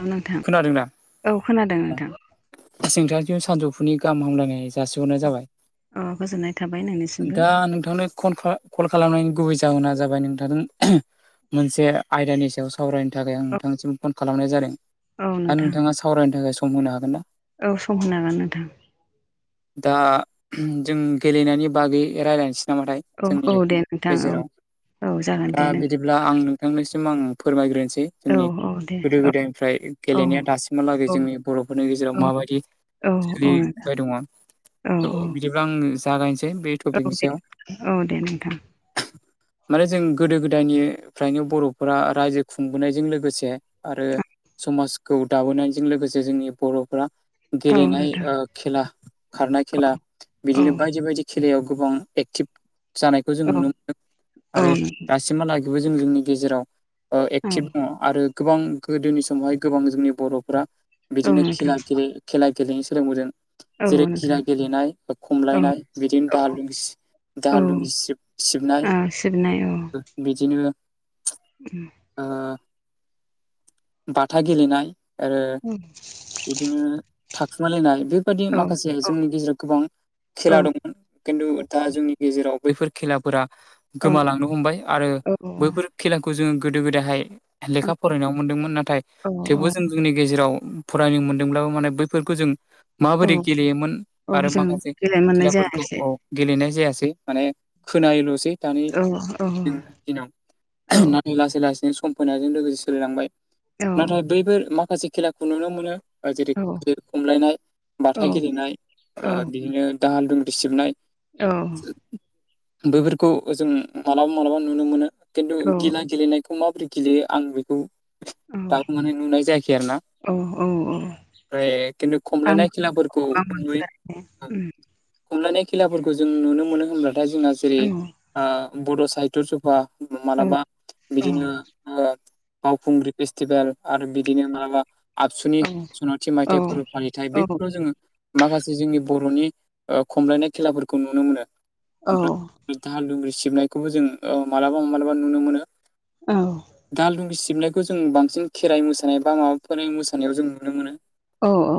औ नोंथां खोनादोंना औ खोनादों औ नोंथां नोंथांनिसिम सानजौफुनि गाहाम हामलायनाय जासिहरनाय जाबाय औ गोजोननाय थाबाय नोंनिसिमबो दा नोंथांनो कनफ्रा कल खालामनायनि गुबै जाहोना जाबाय नोंथांजों मोनसे आयदानि सायाव सावरायनो थाखाय आं औ नोंथांनिसिम फन खालामनाय जा औ दा नोंथां नोंथाङा सावरायनो थाखाय सम होनो हागोनना औ सम होनो हागोन नोंथां दा जों गेलेनायनि बागै रायज्लायनोसै नामाथाय औ जोंनि औ दे नोंथां औ गेजेराव औ जागोन दा दे नों बिदिब्ला आं नोंथांनिसिम आं फोरमायग्रोनोसै औ जोंनि औ दे गोदो औ गोदायनिफ्राय औ गेलेनाया दासिमहालागै औ जोंनि बर'फोरनि गेजेराव औ माबायदि औ औ नोंथां सोलिबाय दङ औ थ बिदि औ बिदिब्ला आं जागायनोसै बे टपिकनि औ दे सायाव औ दे नोंथां माने जों गोदो गोदायनिफ्रायनो बर'फोरा रायजो खुंबोनायजों लोगोसे आरो समाजखौ दाबोनायजों लोगोसे जोंनि बर'फोरा औ गेलेनाय नोंथां खेला खारनाय खेला औ बिदिनो बायदि बायदि खेलायाव गोबां एक्टिभ जानायखौ जों नुनो मोनो औ आरो दासिमहालागै जों जोंनि गेजेराव एक्टिभ दङ आरो गोबां गोदोनि स मावहाय गोबां जोंनि बर'फ औ बिदिनोे नोंथां खेला गेले खेला गेलेनो सोलोंबोदों औ जेरै गिला नोंथां गेलेनाय औ खमलायनाय बिदिनो औ दाल थुंग्रि सि औ दाहाल थुंग्रि सिब सिबनाय ओ सिबनाय औ बिदिनो [inaudible] ओ बाथा गेलेनाय आरो औ बिदिनो थाखुमालायनाय बेबादि औ माखासे जोंनि गेजेराव गोबां औ खेला दंमोन खिन्थु दा जोंनि गेजेराव बैफोर खेलाफोरा औ गोमालांनो हमबाय आरो औ बैफोर खेलाखौ जोङो गोदो गोदायहाय लेखा फरायनायाव मोनदोंमोन नाथाय औ थेवबो जों जोंनि गेजेराव फरायनो मोन्दोंब्लाबो माने बैफोरखौ जों माबोरै गेलेयोमोन औ आरो जों माखासे देलाय मोननाय खेलाफोरखौ जायाखिसै औ गेलेनाय जायासै माने खोनायोलसै दानि औ जों औ दिनाव औ नाथाय लासै लासैनो सम फैनायजों लोगोसे सोलायलांबाय औ नाथाय बैफोर माखासे खेलाखौ नुनो मोनो जेरै औ गेद खमलायनाय औ बाथा गेलेनाय औ ओ बिदिनो दाहाल थुंग्रि सिबनाय औ बैफोरखौ जों मालाबा मालाबा नुनो मोनो खिन्थु औ गिला गेलेनाय खौ माबोरै गेलेयो आं बेखौ दाबो माने नुनाय जायाखै आरोना औ औ ओमफ्राय खिन्थु खमलायनाय आंबो खेलाफोरखौ आं मोनफेराखै नुयो उम खमलायनाय खेलाफोरखौ जों नुनो मोनो होनब्लाथाय जोंहा जेरै औ आ बड साहित्य सभा औ मालाबा औ बिदिनो ओ फुंग्रि फेस्टिभेल आरो बिदिनो माबा आबसुनि औ सनाथि मायथाइ औ फोरबो फालिथाय औ बैफोराव जोङो माखासे जोंनि बर'नि खमलायनाय खेलाफोरखौ नुनो मोनो ओमफ्राय दाहाल लुंग्रि सिबनायखौबो जों मालाबा मालाबा नुनो मोनो। औ। दाहाल दुंगि सिबनायखौ जों बांसिन खेराइ मोसानाय बा माबाफोर मोसानायाव जों नुनो मोनो। औ औ।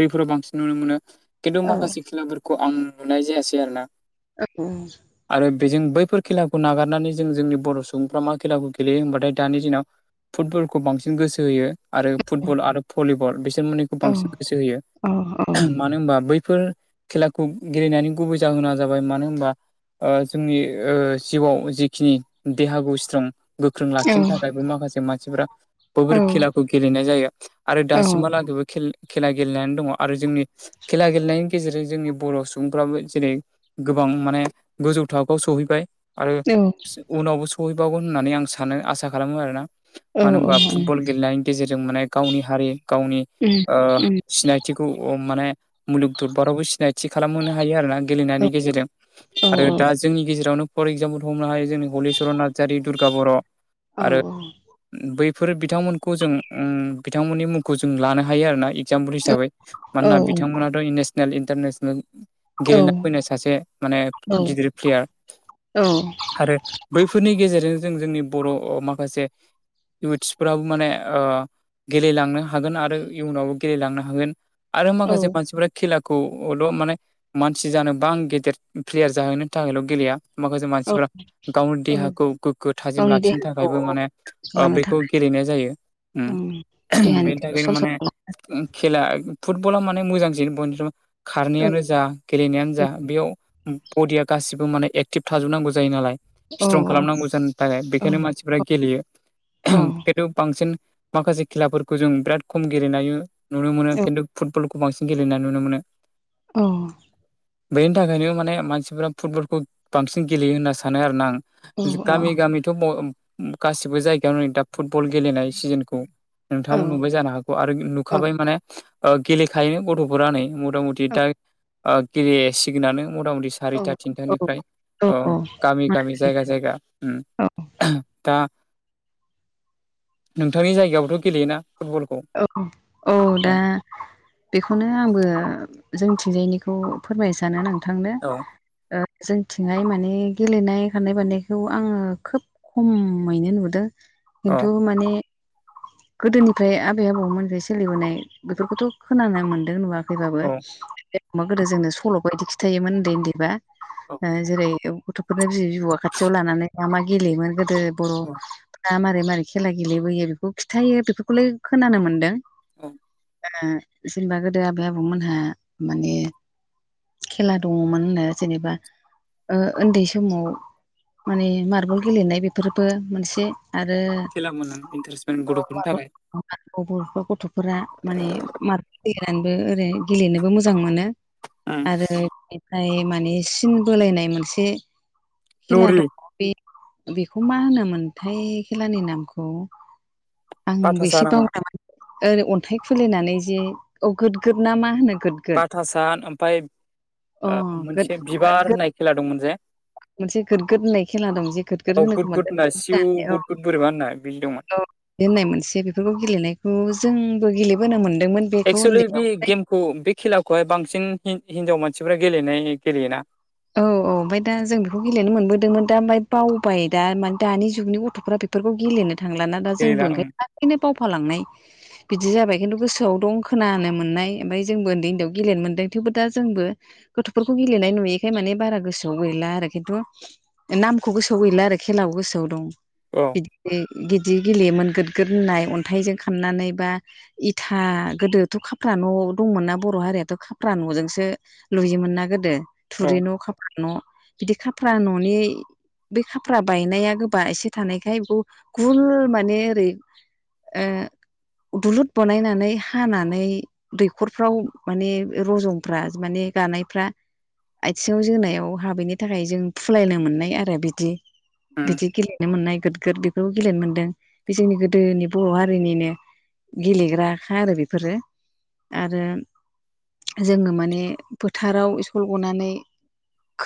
बैफोराव बांसिन नुनो मोनो खिन्थु औ माखासे खेलाफोरखौ आं नुनाय जायासै आरोना। औ। आरो बेजों बैफोर खेलाखौ नागारनानै जों जोंनि बर' सुबुंफ्रा मा खेलाखौ गेलेयो होनबाथाय दानि दिनाव फुटबलखौ बांसिन गोसो होयो आरो फुटबल आरो भलिबल बिसोरमोननि खौ बांसिन गोसो होयो मानो होनबा बै बेफोर खेलाखौ गेलेनानै गुबै जाहोना जाबाय मानो होनबा जोंनि जिउआव जिखिनि देहाखौ स्ट्रं गोख्रों लाखिनो थाखायबो माखासे मानसिफोरा बैफोर खेलाखौ गेलेनाय जायो आरो औ औ औ दासिमाव लाैबो खेला गेलेनानै दङ आरो जोंनि खेला गेलेनायनि गेजेरजों जोंनि बर' सुबुंफ्राबो जेरै गोबां माने गोजौ थाखोआव सहैबाय। आरो उनावबो सहैबावगोन होननानै आं सानो आसा खालामो आरोना। औ मानो होनबा फुटबल गेलेनायनि गेजेरजों माने गावनि हारि गावनि सिनायथिखौ माने मुलुग दरबारावबो सिनायथि खालामहोनो हायो आरोना गेलेनायनि गेजेरजों आरो दा जोंनि गेजेरावनो फर एगजामपोल हमनो हायो जोंनि हलिचरन नार्जारि दुर्गा बर' आरो बैफोर बिथांमोनखौ जों बिथांमोननि मुंखौ जों लानो हायो आरोना। एगजामपोल हिसाबै मानोना बिथांमोनाथ' नेसनेल इन्टारनेसनेल गेलेना फैनाय सासे माने गिदिर प्लेयार आरो बैफोरनि गेजेरजों जों जोंनि बर' माखासे इुथ्सफोराबो माने गेलेलांनो हागोन आरो इयुनावबो गेलेलांनो हागोन। आरो औ औ माखासे मानसिफ्रा खेलाखौल' माने मानसि जानोबा आं गेदेर प्लेयार जाहैनो थाखायल' गेलेया। माखासे मानसिफोरा गावनि देहाखौ गोग्गो थाजिम गावनि लाखिनो देहाखौ थाखायबो माने खालामनो थाखाय बेखौ गेलेनाय जायो ओं देहानि बेनि थैखौ थाखायनो सलसल माने खालाम खेला फुटबला माने मोजां जे बय खारनायानो जा गेलेनायानो जा बेयाव बडिया गासिबो माने ए एटिभ थाजोबनांगौ जायो नालाय औ स्ट्रं खालामनांगौ जानो थाखाय औ बेखायनो मानसिफ्रा औ गेलेयो। औ खिन्थु बांसिन माखासे खेलाफोरखौ जों बिराद खम गेलेनाय नुनो मोनो औ खिन्थु फुटबलखौ बांसिन गेलेनाय नुनो मोनो। औ। बेनि थाखायनो माने मानसिफ्रा फुटबलखौ बांसिन गेलेयो होनना सानो आरोना आं। औ गामि गामिथ' गासिबो जायगायाव नै दा फुटबल गेलेनाय सिजोनखौ नोंथांमोन नुबाय जानो हागौ आरो नुखाबाय माने गेलेखायोन गथ'फोरा नै मथा मथि दा गेलेसिगोनानो मथा मथि औ सारिथा थिनथानिफ्राय गामि गामि जायगा जायगा दा नोंथांनि जायगायावाबथ' गेलेयोना फुटबलखौ औ औ दा। बेखौनो आंबो जोंथिंजायनिखौ फोरमायनो सानो नोंथांनो। औ जोंथिंहाय माने गेलेनाय खारनाय बारनायखौ आङो खोब खमैनो नुदों औ खिन्थु माने गोदोनिफ्राय आबौमोननिफ्राय सोलिबोनाय बेफोरखौथ' खोना मोनदों नुवाखैबाबो औ अमा गोदो जोंनो सल' बायदि खिथायोमोन उन्दै उन्दैबा औ जेरै गथ' बेफोरनो बिबै बिबौआ खाथियाव लानानै मा मा गेलेयोमोन गोदो बर' औ फ्रा मारै मारै खेला गेलेबोयो बेखौ खिन्थायो बेफोरखौलाय खोनानो मोन्दों औ ओ जेनेबा गोदो आबै आबौमोनहा माने खेला दङमोन होनो जेनेबा ओ उन्दै समाव माने मार्बल गेलेनाय बेफोरबो मोनसे आरो खेला मोनो इन्टारेस्ट मेन गथ'फोरनि थाखाय [unintelligible] गथ'फोरा माने मार्बल गेलेनानैबो ओरै गेलेनोबो मोजां मोनो उम आरो बेनिफ्राय माने सिन बोलायनाय मोनसे खेला लरि दं बे बेखौ मा होनोमोनथाय खेलानि नामखौ आंबो बाथासा एसे नामा ओरै अन्थाइ खुलिनानै जे औ गोद गद ना मा होनो गोद गोद बाथासान ओमफाय अ गोद मोनसे गोद बिबार गोद होननाय खेला दंमोन जे मोनसे गोद गोद होननाय खेला दं जे गोद गोद औ गुद होनोखौ गुद मोनोन होननाय सिउ होननानै औ गुद गुद बोरैबा होननाय बिदि दंमोन औ बिदि होननाय मोनसे बेफोरखौ गेलेनायखौ जोंबो गेलेबोनो मोनदोंमोन बेखौ एक्सुलि बे उन्दैयाव गेमखौ बे खेलाखौहाय बांसिन हिनजाव मानसिफोरा गेलेनाय गेलेयोना औ औ ओमफाय दा जों बेखौ गेलेनो मोनबोदोंमोन दा ओमफाय बावबाय दा माने दानि जुगनि गथ'फोरा बे फोरखौ गेलेनो थांलाना दा गेलेला जोंबो ओं ओंखायनो लासैनो बावफालांनाय बिदि जाबाय खिन्थु गोसोआव दं खोनानो मोन्नाय ओमफाय जोंबो उन्दै उन्दैयाव गेलेनो मोनदों थेवबो दा जोंबो गथ'फोरखौ गेलेनाय नुयि खाय माने बारा गोसोआव गैला आरो खिन्थु नामखौ गोसोआव गैला आरो खेलाबो गोसोआव दं औ बिदि गिद गेलेमोन गोद गोद होननाय अन्थाइजों खाननानै बा इथा गोदोथ' खाफ्रा न' दंमोन ना बर' हारियाथ' खाफ्रा न'जोंसो लुयोमोन ना गोदो औ थुरि न' खाफ्रा न' बिदि खाफ्रा न'नि बे खाफ्रा बायनाया गोबा एसे थानायखाय बेखौ गुल माने ओरै ओ दुलुर बानायनानै हानानै दैखरफ्राव माने रजंफ्रा माने गानायफ्रा आथिङाव जोनायाव हाबैनि थाखाय जों फुलायनो मोननाय आरो बिदि उम बिदि गेले नो मोननाय गोदगोद बेबो गेलेनो मोन्दों बे जोंनि गोदोनि बर' हारिनिनो गेलेग्राखौ आरो बेफोरो आरो जोङो माने फोथाराव कल गनानै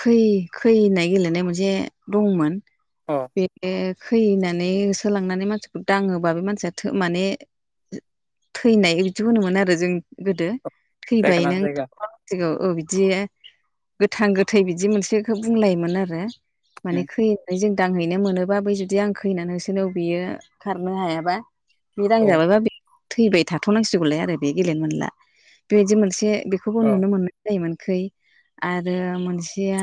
खै खै होननाय गेलेनाय मोनसे दंमोन अ बे खै होनानै होसोलांनानै मानसिखौ दाङोबा बे मानसिया थे माने थैनाय बिदि होन मोनो आरो जों गोदो जायगा थैबाय लाना जायगा नोंथिखौ [unintelligible] औ बिदि गोथां गोथै बिदि मोनसेखौ बुंलायोमोन आरो माने उम खै होनानै जों दांहैनो मोनोबा बै जु दि आं खै होना होसोनाव बियो खारनो हायाबा बे दां औ जाबायबा थैबाय थाथ'नांसिगौलाय आरो बे गेलेनो मोनला बेबायदि मोनसे बेखौबो औ नुनो मोनो जायोमोन खै आरो मोनसेया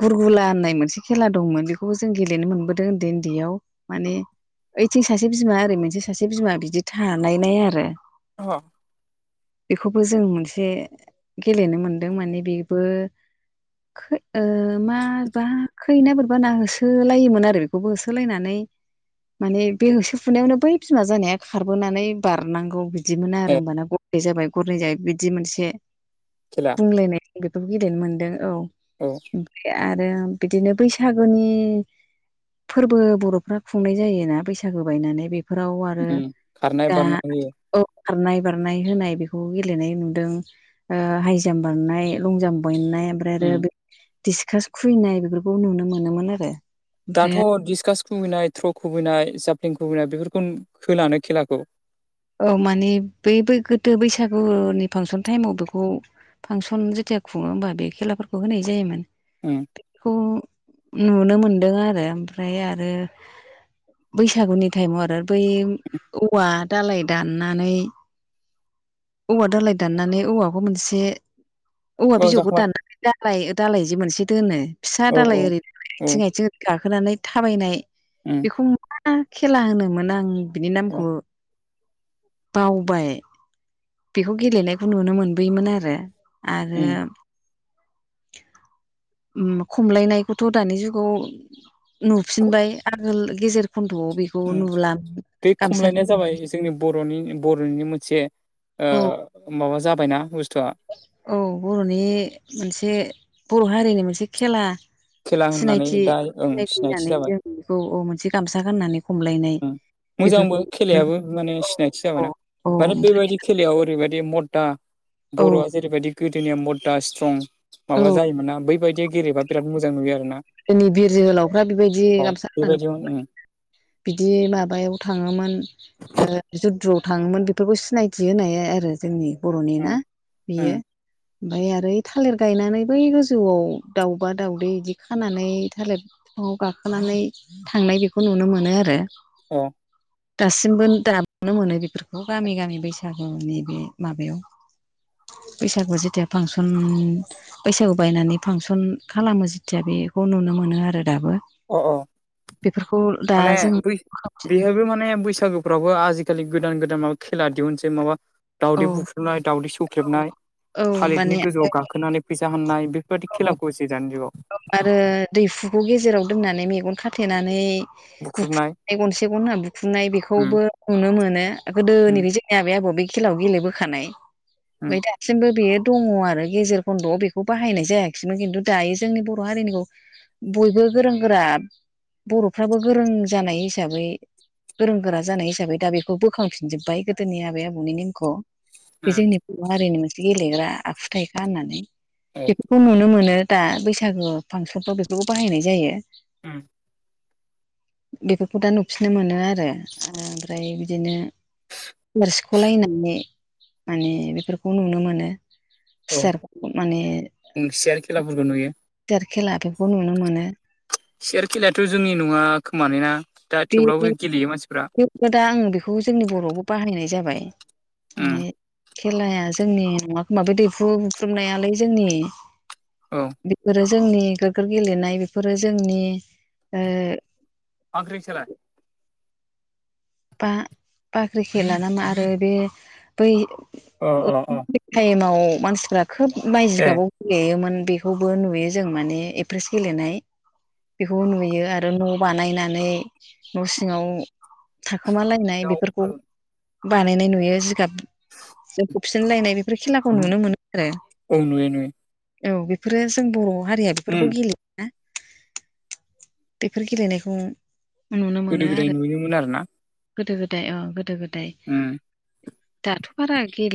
गुर गुला होननाय मोनसे खेला दंमोन बेखौबो जों गेलेनो मोनबोदों उन्दै उन्दैयाव माने ओइथिं सासे बिमा ओरै मोनसे सासे बिमा बिदि थानायनाय आरो अ बेखौबो जों मोनसे गेलेनो मोन्दों माने बेबो खै ओ मा बा खै ना बोरैबा ना होसोलायोमोन आरो बेखौबो होसोलायनानै माने बे होसो फुनायावनो बै बिमा जानाया खारबोनानै बारनांगौ बि दि मोना ए आरो होमबाना गरनै जाबाय गरनै जाब बिदि मोनसे खेला बुंलायनाय जों बेखौ गेलेनो मोनदों औ औ आरो बिदिनो बैसागुनि फोरबो बर'फ्रा खुंनाय जायोना बैसागु बायनानै बे बे फोराव आरो उम खारनाय दा बारनाय औ खारनाय बारनाय होनाय बेखौ गेलेनाय नुदों हाइ जाम्प बारनाय लं जाम्प बायनाय ओमफ्राय उम आरो डिसकास खुैनाय बेफोरखौ नुनो मोनोमोन आरो। दाथ' ओमफ्राय डिसकास खुबैनाय थ्र' खुबैनाय जाफ्लिं खुबैनाय बेफोरखौ होलानो खेलाखौ औ मानिे बै बै गोदो बैसागुनि फांसन टाइमाव बेखौ फांसन जेथिया खुङो होमबा बे खेलाफोरखौ होनाय जायोमोन। उम बेखौ नुनो मोनदों आरो ओमफ्राय आरो बैसागुनि टाइमाव आरो बै औवा दालाय दाननानै औवा दालाय दाननानै औवाखौ मोनसे औवा औ बिजौखौ जाखांबाय दाननानै दालाय दालाय जि मोनसे दोनो फिसा औ दालाय औ ओरै औ आथिं आथिं गाखोनानै थाबायनाय उम उम मा खेला होनोमोन आं बिनि औ नामखौ बावबाय बेखौ गेलेनायखौ नुनो मोनबोयोमोन आरो आरो उम खमलायनायखौथ' दानि जुगाव नुफिनबाय आगोल गेजेर खन्द'आव बेखौ नुला बे गामसा खमलायनाया जाबाय जोंनि बर'नि बर'निनि मोनसे औ माबा जाबायना बुस्थुआ औ बर'नि मोनसे बर' हारिनि मोनसे खेला खेला होननानै दा ओं सिनायथि सिनायथिनायनानै जाबाय जों बेखौ औ अ मोनसे गामसा गाननानै खमलायनाय मोजांबो बेफोरखौ नुनो खेलायाबो माने औ सिनायथि जाबाय ना औ माने ओमफ्राय बेबायाददि खेलायाव ओरैबादि मददा औ बर'आ जेरैबायदि गोदोनि मददा स्ट्रं औ माबा जायोमोना बैबायदिया गेलेबा बिराद मोजां नुयो आर ना। जोंनि बिर जोहोलावफ्रा बेबायदि गामसा बेबायदियाव उम गान्नानै बिदि माबायाव थाङोमोन ओ जु ह्रुआव थाङोमोन बेफोरखौ सिनायथि होननाय आरो जोंनि बर'नि उम ना ओं बियो ओमफाय आरो थालिर गायनानैबो गोजौआव दाउबा दाउदै बिदि खानानै थालिर बिफाङाव गाखोनानै थांनाय बेखौ नुनो मोनो आरो। औ दासिमबो दाबनो मोनो बेफोरखौ गामि गामि बैसागुनि बे माबायाव [inaudible] बैसागु जेथिया फांसन बैसागु बायनानै फांसन खालामो खेथिया बेखौ नुनो मोनो आरो दाबो अ अ बेफोरखौ दा माने जों बेहाबबो माने बैसागु फोरावबो आजिखालि गोदान गोदान माबा खेला दिहुननोसै माबा औ दाउदै बुख्रुबनाय दाावदै सौख्रेबनाय औ माने थालिरनि गोजौआव गाखोनानै फैसा हनाय बे बादि औ खेलाखौ दानि जुगाव आरो दैहुखौ गेजेराव दोननानै मेगन खाथेनानै बुख्रुबनाय बुख्रनाय गनसे गन होनना बुखुनाय उम बेखौबो नुनो मोनो गोदोनि उम बे जे आबै आबौ बे खेलायाव गेलेबोखानाय उम ओमफ्राय दासिमबो बेयो दंङो आरो गेजेर खन्द'आव बेखौ बाहायनाय जायाखिैमोन खिन्थु दायो जोंनि बर' हारिनिखौ बयबो गोरों गोरा बर'फ्राबो गोरों जानाय हिसाबै गोरों गोरा जानाय हिसाबै दा बेखौ बोखांफिनजोब्बाय गोदोनि आबै आबौनि नेमखौ बे उम जोंनि बर' हारिनि मोनसे गेलेग्रा आखुथायाइखा होननानै औ बे खौ नुनो मोनो दा बैसागो फांसनफ्राव बेफोरखौ बाहायनाय जायो उम बेफोरखौ दा नुफिननो मोनो आरो ओमफ्राय बिदिनो थोरसिख'लायनानै माने बेफोरखौ नुनो मोनो सेरखौ माने सेयार खेलाफोरखौ नुयो गिदिर खेला बेखौ नुनो मोनो सियार खेलायाथ' जोंनि नङा खोमालोना दा बे थेवब्लाबो गेलेयो मानसिफ्रा दा आं बेखौ जोंनि बर'आवबो बाहायनाय जाबाय उम माने खेलाया जोंनि नाखौ माब बे दैहु बुफ्र्रुबनायालाय जोंनि औ बेफोरो जोंनि गोग्गो गेलेनाय बेफोरो जोंनि [unintelligible] बा बाख्रि खेला नामा आरो बे बै अ अ अ टाइमाव मानसिफ्रा खोब बाय ए जिगाबाव गेलेयोमोन बेखौबो नुयो जों माने एप्रेस गेलेनाय बेखौबो नुयो आरो न' बानायनानै न' सिङाव थाखोमालायनाय दाउ बेफोरखौ थारुन बानायनाय नुयो जिगाब ज खबसिनलायनाय बेफोर खेलाखौ उमहो नुनो मोनो आरो औ नुयो नुयो औ बेफोरो जों बर' हारिया उम बेफोरखौ गेलेयो बेफोर गेलेनायखौ नुनो मोनो गोदो गोदाय आरो नुयोमोन आरो ना गोदो गोदाय अ गोदो गोदाय उम दाथ' बारा गेलेला